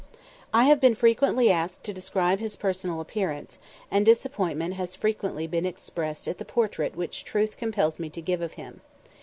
I have been frequently asked to describe his personal appearance, and disappointment has frequently been expressed at the portrait which truth compels me to give of him.